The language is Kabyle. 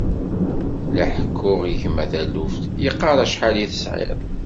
La ḥekkuɣ i gma taluft, yeqqar acḥal i tesɛiḍ.